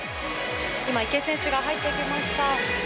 今、池江選手が入ってきました。